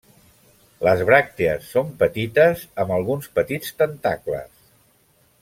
Les bràctees són petites, amb alguns petits tentacles.